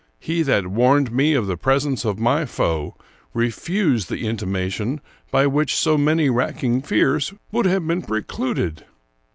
He that warned me of the presence of my foe refused the intimation by which so many racking fears would have been precluded.